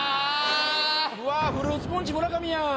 うわフルーツポンチ・村上やん。